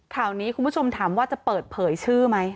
ข่าวนี้คุณผู้ชมถามว่าจะเปิดเผยชื่อไหม